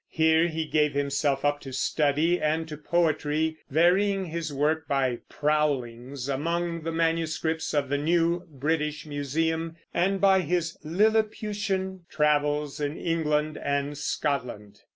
Here he gave himself up to study and to poetry, varying his work by "prowlings" among the manuscripts of the new British Museum, and by his "Lilliputian" travels in England and Scotland.